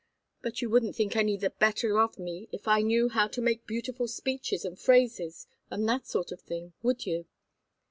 But you wouldn't think any the better of me if I knew how to make beautiful speeches and phrases, and that sort of thing, would you?"